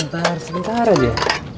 bentar sebentar aja